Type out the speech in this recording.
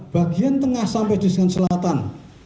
bagian tengah sampai di senggara selatan